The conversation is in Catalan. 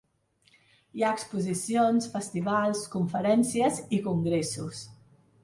Hi ha exposicions, festivals, conferències i congressos.